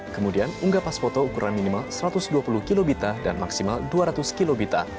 kemudian unggah pas foto ukuran minimal satu ratus dua puluh kb dan maksimal dua ratus kb